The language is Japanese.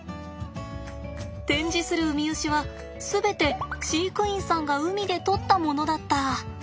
展示するウミウシは全て飼育員さんが海で採ったものだった！